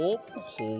ほう。